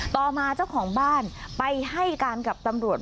ต่อมาเจ้าของบ้านไปให้การกับตำรวจ